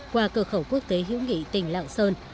qua cửa khẩu quốc tế hữu nghị tỉnh lạng sơn